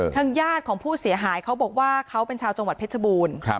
ทางญาติของผู้เสียหายเขาบอกว่าเขาเป็นชาวจังหวัดเพชรบูรณ์